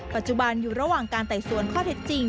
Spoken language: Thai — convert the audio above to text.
ปัจจุบันอยู่ระหว่างการไต่สวนข้อเท็จจริง